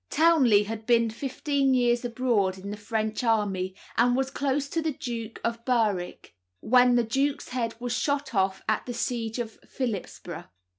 Townley had been fifteen years abroad in the French army, and was close to the Duke of Berwick when the duke's head was shot off at the siege of Philipsburgh.